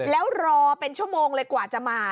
แล้วรอเป็นชั่วโมงเลยกว่าจะมา